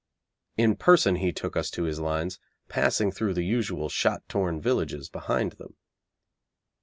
In person he took us to his lines, passing through the usual shot torn villages behind them.